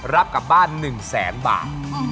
รับกลับบ้าน๑๐๐๐๐๐บาท